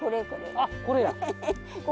あっこれや！